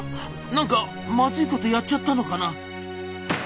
何かまずいことやっちゃったのかな」。